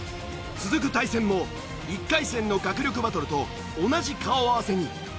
続く対戦も１回戦の学力バトルと同じ顔合わせに。